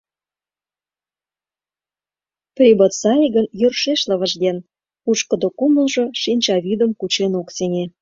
Прибоцаи гын йӧршеш лывыжген, пушкыдо кумылжо шинчавӱдым кучен ок сеҥе.